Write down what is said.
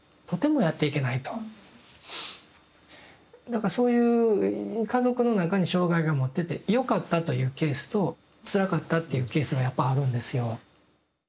だからそういう家族の中に障害が持っててよかったというケースとつらかったっていうケースがやっぱあるんですよ。